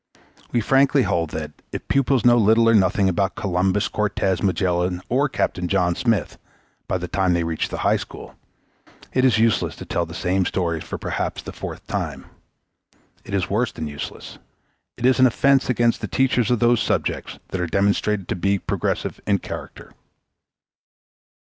We frankly hold that, if pupils know little or nothing about Columbus, Cortes, Magellan, or Captain John Smith by the time they reach the high school, it is useless to tell the same stories for perhaps the fourth time. It is worse than useless. It is an offense against the teachers of those subjects that are demonstrated to be progressive in character.